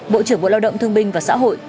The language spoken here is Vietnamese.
bộ trưởng bộ lao động thương binh và xã hội